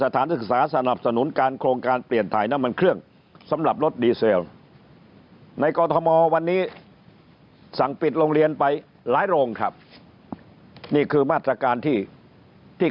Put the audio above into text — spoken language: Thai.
สถานศึกษาสนับสนุนการโครงการเปลี่ยนถ่ายน้ำมันเครื่องสำหรับรถดีเซลในกรทมวันนี้สั่งปิดโรงเรียนไปหลายโรงครับนี่คือมาตรการที่ที่